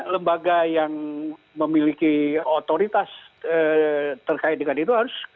lembaga yang memiliki otoritas terkait dengan itu harus